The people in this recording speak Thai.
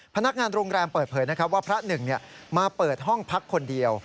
พนักงานโรงแรมเปิดเผยนะครับว่าพระหนึ่งมาเปิดห้องพักคนเดียว